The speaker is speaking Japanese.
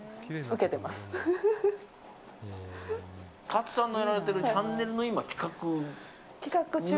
勝さんのやられているチャンネルの企画の最中？